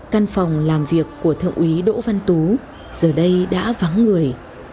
căn phòng làm việc của thượng úy đỗ văn tú giờ đây đã vắng người